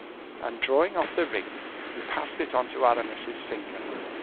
And drawing off the ring, he passed it on Aramis's finger.